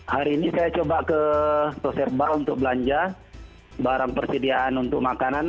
hari ini saya coba ke proserba untuk belanja barang persediaan untuk makanan